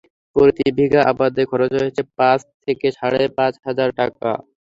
প্রতি বিঘা আবাদে খরচ হয়েছে পাঁচ থেকে সাড়ে পাঁচ হাজার টাকা।